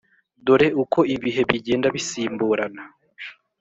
Dore uko ibihe bigenda bisimburana.